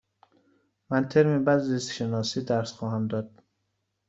من ترم بعد زیست شناسی درس خواهم داد.